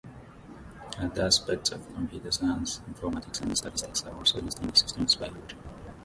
Other aspects of computer science, informatics, and statistics are also used in systems biology.